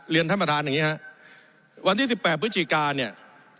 เรียนท่านประทานอย่างงี้ฮะวันที่สิบแปดพฤศจิกาเนี่ย